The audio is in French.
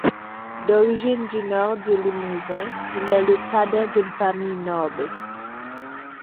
D'origine du nord du Limousin, il est le cadet d'une famille noble.